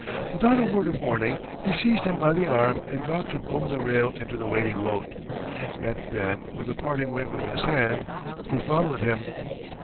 Without a word of warning, he seized him by the arm and dropped him over the rail into the waiting boat; and then, with a parting wave of his hand, he followed him.